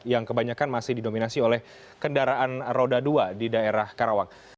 yang kebanyakan masih didominasi oleh kendaraan roda dua di daerah karawang